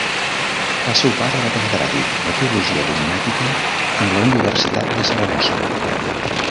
El seu pare era catedràtic de teologia dogmàtica en la Universitat de Saragossa.